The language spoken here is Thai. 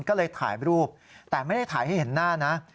ก็เลยถ่ายรูปแต่ไม่ได้ถ่ายให้เห็นหน้านะ